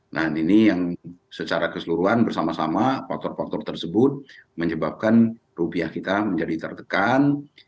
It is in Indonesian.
nah ini yang secara keseluruhan bersama sama faktor faktor tersebut menyebabkan rupiah kita menjadi tertekan